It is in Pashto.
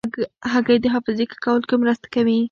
هګۍ د حافظې ښه کولو کې مرسته کوي.